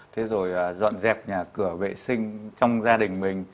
thế rồi dọn dẹp nhà cửa vệ sinh trong gia đình mình